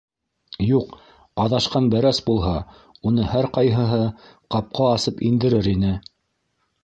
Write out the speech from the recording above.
Юҡ, аҙашҡан бәрәс булһа, уны һәр ҡайһыһы ҡапҡа асып индерер ине.